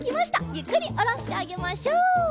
ゆっくりおろしてあげましょう。